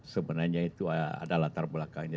sebenarnya itu ada latar belakangnya